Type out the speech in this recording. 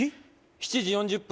７時４０分